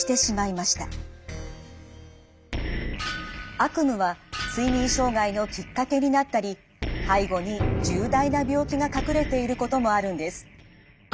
悪夢は睡眠障害のきっかけになったり背後に重大な病気が隠れていることもあるんです。